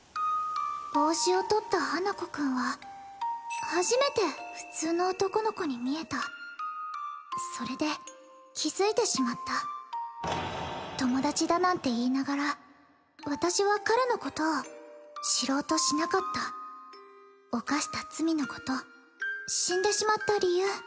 帽子をとった花子くんは初めて普通の男の子に見えたそれで気づいてしまった友達だなんて言いながら私は彼のことを知ろうとしなかった犯した罪のこと死んでしまった理由